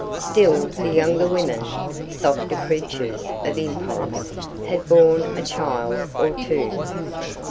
Still the younger women, softer creatures of impulse, had borne a child or two.